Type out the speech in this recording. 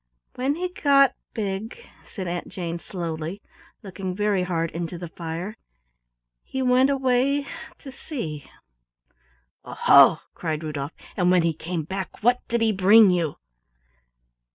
"When he got big," said Aunt Jane slowly, looking very hard into the fire, "he went away to sea." "O ho!" cried Rudolf. "And when he came back what did he bring you?"